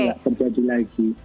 karena tidak terjadi lagi